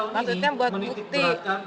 maksudnya buat bukti